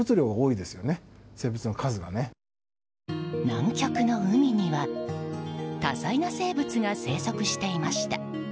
南極の海には多彩な生物が生息していました。